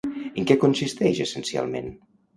En què consisteix essencialment?